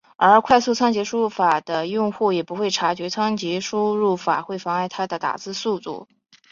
而快速仓颉输入法的用户也不会察觉仓颉输入法会妨碍他的打字速度。